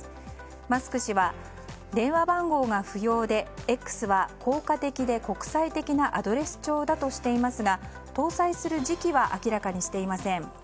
マスク氏は電話番号が不要でＸは効果的で国際的なアドレス帳だとしていますが搭載する時期は明らかにしていません。